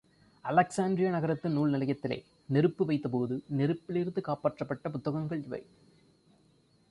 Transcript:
Alexandria நகரத்து நூல் நிலையத்திலே நெருப்பு வைத்தபோது, நெருப்பிலிருந்து காப்பாற்றப்பட்ட புத்தகங்கள் இவை.